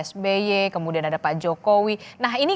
sby kemudian ada pak jokowi nah ini